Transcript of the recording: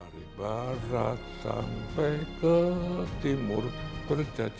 dari barat sampai ke timur kerja jauh